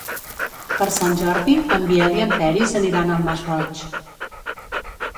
Per Sant Jordi en Biel i en Peris aniran al Masroig.